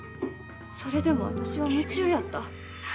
それでも私は夢中やった。